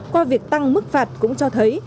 qua việc tăng mức phạt cũng cho thấy